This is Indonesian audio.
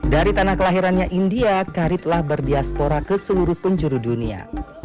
dari tanah kelahirannya india kari telah berdiaspora ke seluruh penjuru dunia